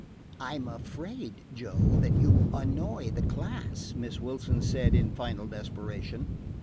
"I am afraid, Joe, that you annoy the class," Miss Wilson said in final desperation.